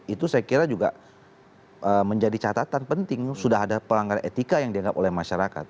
itu saya kira juga menjadi catatan penting sudah ada pelanggaran etika yang dianggap oleh masyarakat